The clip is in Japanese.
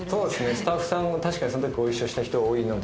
スタッフさん確かにそのときご一緒した人多いので。